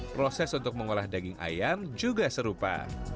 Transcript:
proses untuk mengolah daging ayam juga serupa